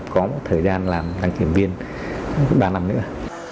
có một thời gian làm đăng kiểm viên ba năm nữa